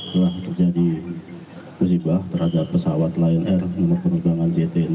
telah terjadi musibah terhadap pesawat lion air nomor perubahan gt enam ratus sepuluh